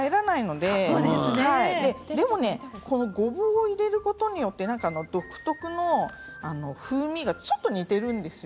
でも、ごぼうを入れることによって独特の風味がちょっと似ているんですよ。